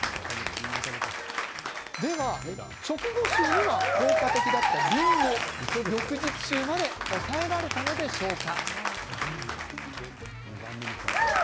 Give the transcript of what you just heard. では直後臭には効果的だった、りんご翌日臭まで抑えられたのでしょうか？